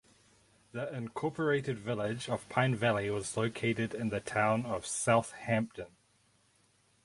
The Incorporated Village of Pine Valley was located in the Town of Southampton.